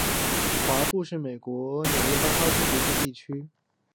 华埠是美国纽约市曼哈顿的一个地区。